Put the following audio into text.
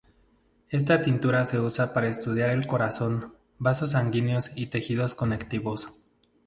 Esta tintura se usa para estudiar el corazón, vasos sanguíneos y tejidos conectivos.